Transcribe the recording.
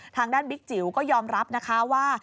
บิ๊กจิ๋วก็ยอมรับนะคะว่า